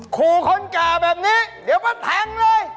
ขู่คนแก่แบบนี้เดี๋ยวมาแทงเลย